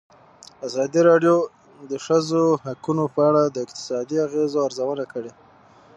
ازادي راډیو د د ښځو حقونه په اړه د اقتصادي اغېزو ارزونه کړې.